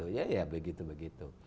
ya ya begitu begitu